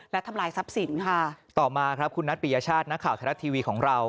และทำลายทรัพย์สินค่ะต่อมาครับคุณนัทปิยชาตินักข่าวไทยรัฐทีวีของเรา